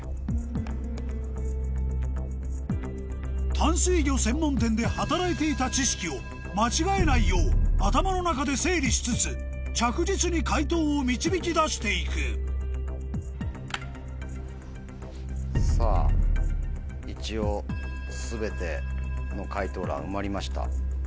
淡水魚専門店で働いていた知識を間違えないよう頭の中で整理しつつ着実に解答を導き出して行くさぁ一応全ての解答欄埋まりました。